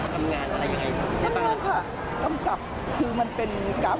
เขาเรียกการรันตีว่าแข็งแพรง